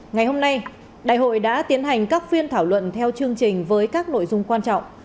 ngày hôm nay đại hội đã tiến hành các phiên thảo luận theo chương trình với các nội dung quan trọng